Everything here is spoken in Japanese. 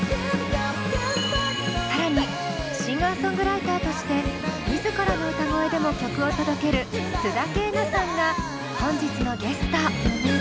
更にシンガーソングライターとして自らの歌声でも曲を届ける須田景凪さんが本日のゲスト。